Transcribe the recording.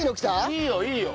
いいよいいよ。